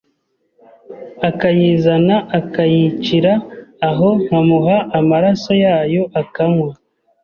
akayizana nkayicira aho nkamuha amaraso yayo akanywa